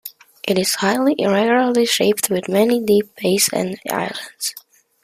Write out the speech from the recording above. It is highly irregularly shaped with many deep bays and islands.